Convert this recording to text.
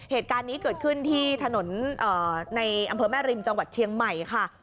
เหตุการณ์นี้เกิดขึ้นที่ถนนในอำเภอแม่ริมจังหวัดเชียงใหม่ค่ะ